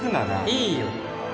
いいよ